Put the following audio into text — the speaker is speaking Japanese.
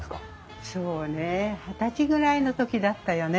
そうねえ二十歳ぐらいの時だったよね？